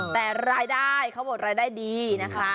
แต่รายได้เขาบอกรายได้ดีนะคะ